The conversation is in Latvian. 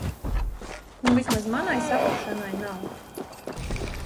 Nu vismaz manai saprašanai nav.